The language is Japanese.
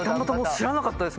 知らなかったです